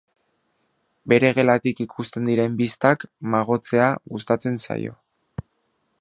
Bere gelatik ikusten diren bistak magotzea gustatzen zaio.